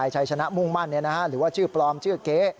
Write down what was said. ชัยชนะมุ่งมั่นหรือว่าชื่อปลอมชื่อเก๊